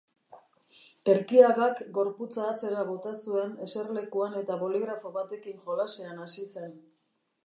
Erkiagak gorputza atzera bota zuen eserlekuan eta boligrafo batekin jolasean hasi zen.